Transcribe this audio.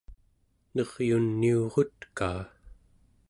neryuniurutkaa